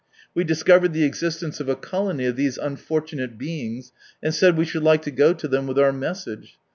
We discovered the existence of a colony of these unfortunate beings, and said we should like to go to them with our message.